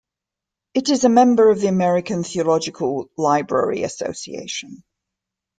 It is a member of the American Theological Library Association.